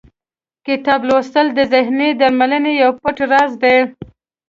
کتاب لوستل د ذهني درملنې یو پټ راز دی.